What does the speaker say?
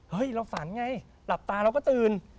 เราฝันไงหลับตาเราก็ตื่น